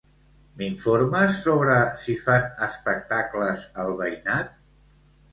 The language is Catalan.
M'informes sobre si fan espectacles al veïnat?